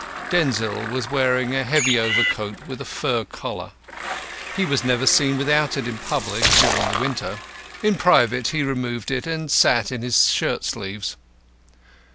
Denzil was wearing a heavy overcoat with a fur collar. He was never seen without it in public during the winter. In private he removed it and sat in his shirt sleeves.